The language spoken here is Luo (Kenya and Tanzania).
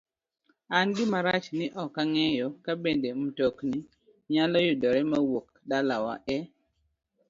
an gima rach ni ok nang'eyo kabende motokni nyalo yudore mawuok dalawa e